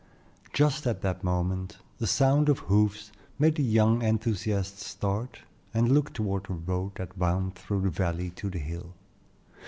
Just at that moment the sound of hoofs made the young enthusiasts start and look toward the road that wound through the valley to the hill.